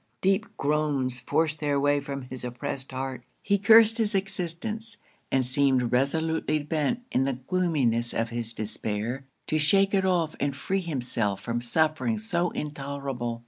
Deep groans forced their way from his oppressed heart he cursed his existence, and seemed resolutely bent, in the gloominess of his despair, to shake it off and free himself from sufferings so intolerable.